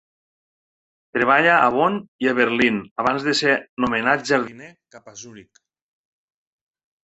Treballa a Bonn i a Berlín abans de ser nomenat jardiner cap a Zuric.